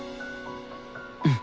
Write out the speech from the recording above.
うん！